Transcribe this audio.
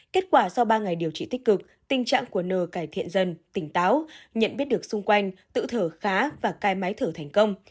kết quả sau ba ngày điều trị tích cực tình trạng của nờ cải thiện dần tỉnh táo nhận biết được xung quanh tự thở khá và cai máy thở thành công